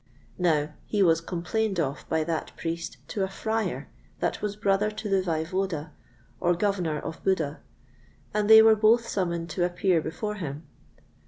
Now, he was complained of by that Priest to a Friar that was brother to the Vaivoda, or Governor of Buda, and they were both summoned to appear before him.